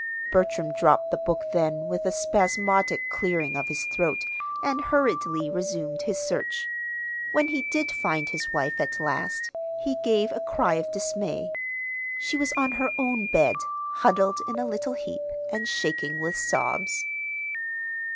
Bertram dropped the book then with a spasmodic clearing of his throat, and hurriedly resumed his search. When he did find his wife, at last, he gave a cry of dismay she was on her own bed, huddled in a little heap, and shaking with sobs.